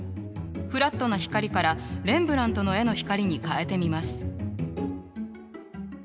フラットな光からレンブラントの絵の光に変えてみます。